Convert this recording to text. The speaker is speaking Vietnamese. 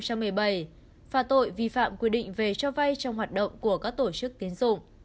phạt tội vi phạm quy định về cho vay trong hoạt động của các tổ chức tiến dụng